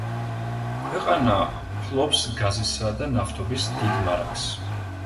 ქვეყანა ფლობს გაზისა და ნავთობის დიდ მარაგს.